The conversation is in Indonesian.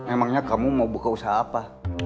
emangnya kamu mau buka usaha apa